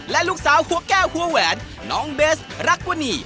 และลูกสาวหัวแก้วหัวแหวนน้องเบสรักวนี